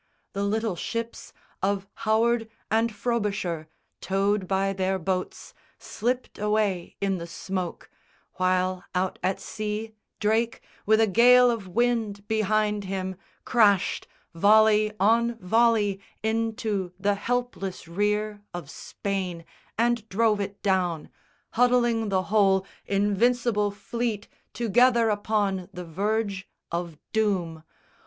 The little ships Of Howard and Frobisher, towed by their boats, Slipped away in the smoke, while out at sea Drake, with a gale of wind behind him, crashed Volley on volley into the helpless rear Of Spain and drove it down, huddling the whole Invincible Fleet together upon the verge Of doom.